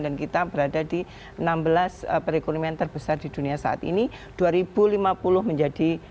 dan kita berada di enam belas perekonomian terbesar di dunia saat ini